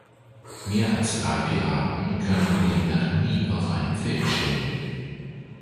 Mehr als drei Piraten können demnach nie auf einem Feld stehen.